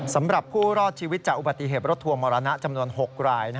สำหรับผู้รอดชีวิตจากอุบัติเหตุรถทัวร์มรณะจำนวน๖ราย